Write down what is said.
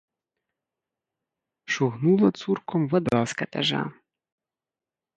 Шугнула цурком вада з капяжа.